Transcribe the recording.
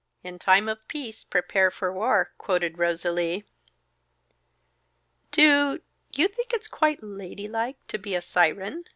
"In time of peace prepare for war," quoted Rosalie. "Do you think it's quite ladylike to be a siren?"